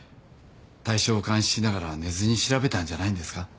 対象を監視しながら寝ずに調べたんじゃないんですか？